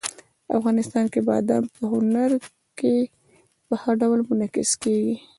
افغانستان کې بادام په هنر کې په ښه ډول منعکس کېږي.